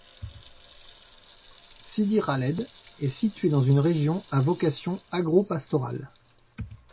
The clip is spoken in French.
Sidi Khaled est située dans une région à vocation agro-pastorale.